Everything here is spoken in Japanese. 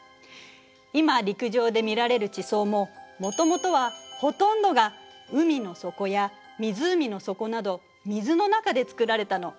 今陸上で見られる地層ももともとはほとんどが海の底や湖の底など水の中で作られたの。